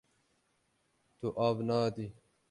Tu av nadî.